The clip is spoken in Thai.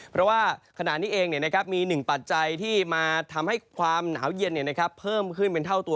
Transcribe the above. เพราะว่าขณะนี้เองมีหนึ่งปัจจัยที่มาทำให้ความหนาวเย็นเพิ่มขึ้นเป็นเท่าตัว